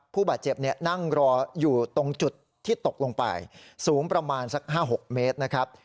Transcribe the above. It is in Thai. ผู้บาดเจ็บนั่งรออยู่ตรงจุดที่ตกลงไปสูงประมาณสัก๕๖เมตรนะครับ